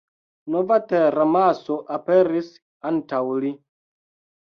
Nova teramaso aperis antaŭ li.